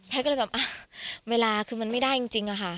ก็เลยแบบเวลาคือมันไม่ได้จริงอะค่ะ